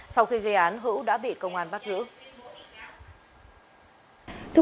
sau khi gây án hữu đã bị công an bắt giữ